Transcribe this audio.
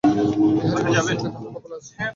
বিহারীর মতো ছেলে কি তাহার কপালে আছে।